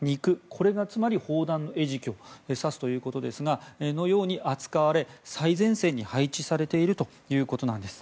これがつまり砲弾の餌食を指すということですが肉のように扱われ最前線に配置されているということなんです。